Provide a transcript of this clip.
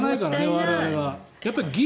我々は。